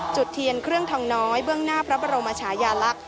จุดเทียนเครื่องทองน้อยเบื้องหน้าพระบรมชายาลักษณ์